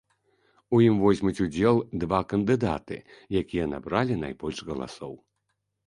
У ім возьмуць удзел два кандыдаты, якія набралі найбольш галасоў.